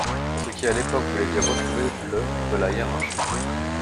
Ce qui à l’époque voulait dire retrouver le de la hiérarchie.